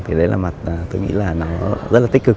thì đấy là mặt tôi nghĩ là nó rất là tích cực